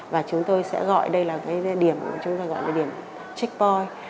và chúng tôi sẽ gọi đây là cái điểm chúng tôi gọi là điểm check point